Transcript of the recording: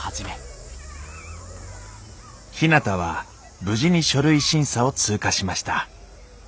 ひなたは無事に書類審査を通過しました。